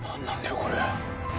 これ。